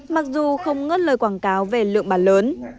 mặc dù không ngớt lời quảng cáo về lượng bản lớn